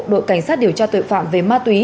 đội cảnh sát điều tra tội phạm về ma túy